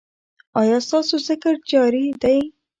ایا ستاسو ذکر جاری دی؟